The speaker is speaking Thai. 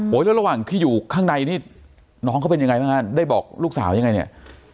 แล้วระหว่างที่อยู่ข้างในนี่น้องเขาเป็นยังไงบ้างฮะได้บอกลูกสาวยังไงเนี่ย